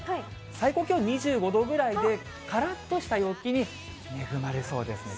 最高気温２５度くらいで、からっとした陽気に恵まれそうですね。